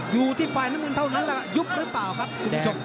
อยู่ที่ฝ่ายน้ำเงินเท่านั้นแหละยุบหรือเปล่าครับคุณผู้ชม